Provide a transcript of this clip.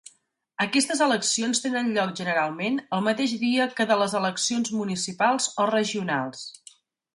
Aquestes eleccions tenen lloc generalment el mateix dia que de les eleccions municipals o regionals.